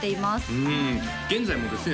うん現在もですね